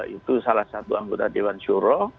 itu salah satu anggota dewan syuroh